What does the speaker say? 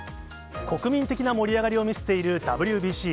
国民的な盛り上がりを見せているＷＢＣ。